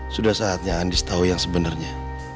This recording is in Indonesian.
sudah saatnya andis tau yang sebenernya